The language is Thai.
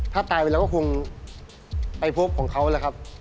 ถ้าตายไปแล้วก็คงไปพบของเขาแหละครับ